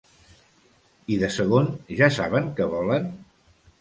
I de segon ja saben què volen?